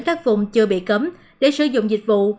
các vùng chưa bị cấm để sử dụng dịch vụ